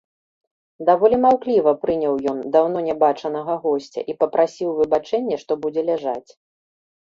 Даволі маўкліва прыняў ён даўно нябачанага госця і папрасіў выбачэння, што будзе ляжаць.